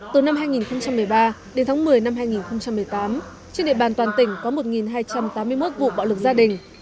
từ năm hai nghìn một mươi ba đến tháng một mươi năm hai nghìn một mươi tám trên địa bàn toàn tỉnh có một hai trăm tám mươi một vụ bạo lực gia đình